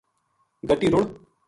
گَٹی رُڑ